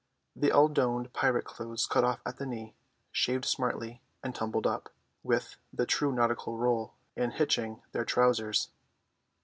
They all donned pirate clothes cut off at the knee, shaved smartly, and tumbled up, with the true nautical roll and hitching their trousers.